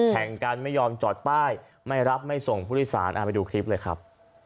แข่งกันไม่ยอมจอดป้ายไม่รับไม่ส่งผู้โดยสารไปดูคลิปเลยครับ